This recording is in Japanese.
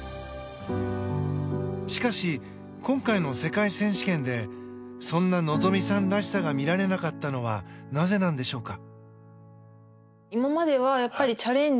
しかし、今回の世界選手権でそんな希実さんらしさが見られなかったのはなぜなんでしょうか。